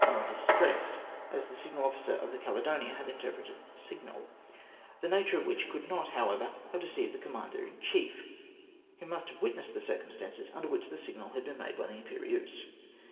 i clistress,^^ as the signal officer of the Caledonia had interpreted the signal ; the nature of which could not, however, have deceived the commander in chief, who must have wit nessed the circumstances under wliich the signal had been made by the Imperieuse.